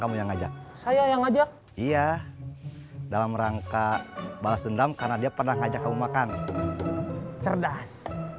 kamu yang ngajak saya yang ngajak iya dalam rangka balas dendam karena dia pernah ngajak kamu makan cerdas